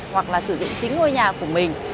hoặc là xử dụng chính ngôi nhà của mình